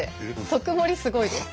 特盛りすごいです。